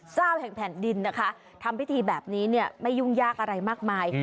เจ้าแห่งแผ่นดินนะคะทำพิธีแบบนี้เนี่ยไม่ยุ่งยากอะไรมากมาย